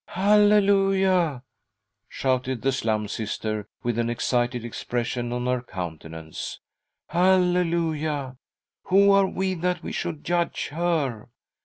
." Halleluia !" shouted the Slum Sister, with an excited expression on her countenance. " Halleluia ! Who are we that we should judge her